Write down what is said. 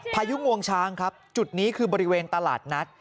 พายุงวงช้างครับจุดนี้คือบริเวณตลาดนัด